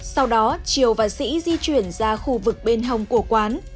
sau đó triều và sĩ di chuyển ra khu vực bên hồng của quán